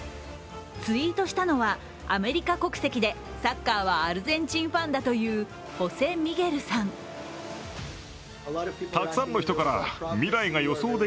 ツイートしたのは、アメリカ国籍でサッカーはアルゼンチンファンだというホセミゲルさん。